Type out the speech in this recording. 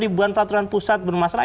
ribuan peraturan pusat bermasalah